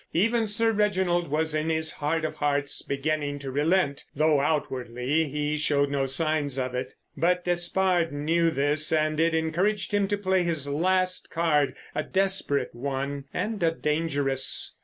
Even Sir Reginald was in his heart of hearts beginning to relent, though, outwardly, he showed no signs of it. But Despard knew this, and it encouraged him to play his last card. A desperate one and a dangerous.